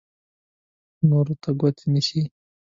نورو ته ګوته نیسي.